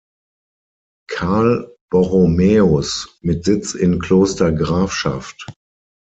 Karl Borromäus mit Sitz in Kloster Grafschaft.